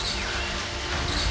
setelah k opened